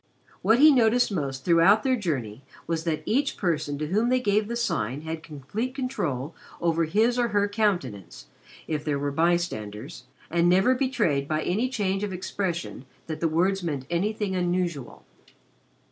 What he noticed most throughout their journey was that each person to whom they gave the Sign had complete control over his or her countenance, if there were bystanders, and never betrayed by any change of expression that the words meant anything unusual.